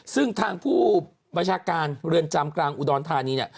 ซึ่งทางผู้บัญชาการเรือนจำกลางอุดรธานีเนี่ย